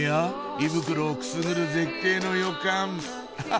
胃袋をくすぐる絶景の予感ハハっ